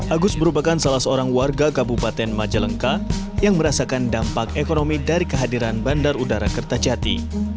agus merupakan salah seorang warga kabupaten majalengka yang merasakan dampak ekonomi dari kehadiran bandar udara kertajati